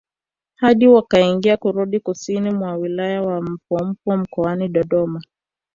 Hadi wakaingia kurudi kusini mwa wilaya ya Mpwapwa mkoani Dodoma